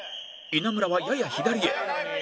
稲村はやや左へ